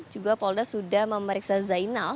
juga polda sudah memeriksa zainal